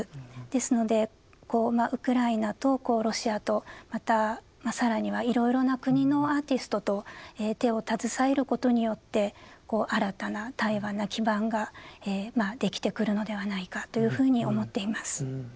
ですのでこうまあウクライナとこうロシアとまた更にはいろいろな国のアーティストと手を携えることによって新たな対話の基盤が出来てくるのではないかというふうに思っています。